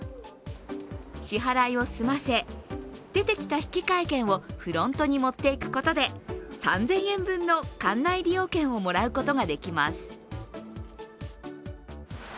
支払いを済ませ、出てきた引換券をフロントに持っていくことで３０００円分の館内利用券をもらうことができます。